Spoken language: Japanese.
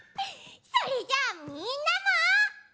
それじゃあみんなも。